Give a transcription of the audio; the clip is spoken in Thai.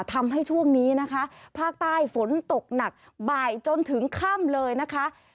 ทำให้ช่วงนี้นะคะภาคใต้ฝนตกหนักบ่ายจนถึงค่ำเลยนะคะ